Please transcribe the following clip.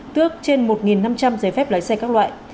tước trên một năm trăm linh giấy phép lái xe các loại